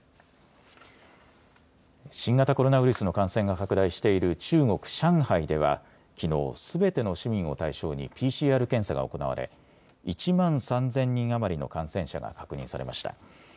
新型コロナウイルスの感染が拡大している中国・上海ではきのうすべての市民を対象にＰＣＲ検査が行われ１万３０００人余りの感染者が確認されました。